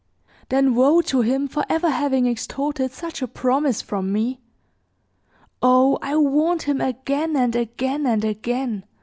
"Then woe to him for ever having extorted such a promise from me! Oh, I warned him again, and again, and again.